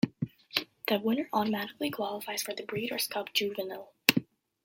The winner automatically qualifies for the Breeders' Cup Juvenile.